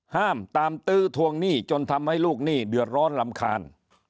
ห้ามตามตื้อทวงหนี้จนทำให้ลูกหนี้เดือดร้อนรำคาญ